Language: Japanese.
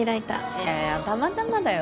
いやいやたまたまだよ